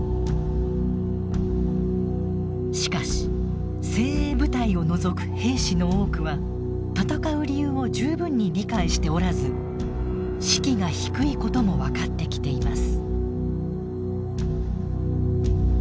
しかし精鋭部隊を除く兵士の多くは戦う理由を十分に理解しておらず士気が低いことも分かってきています。